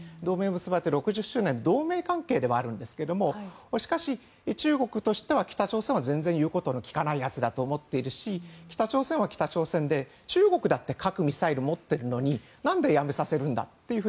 同盟関係ではあるんですがしかし、中国としては北朝鮮は全然言うことの聞かないやつだと思っているし北朝鮮は北朝鮮で、中国だって核ミサイルを持っているのに何でやめさせるんだ？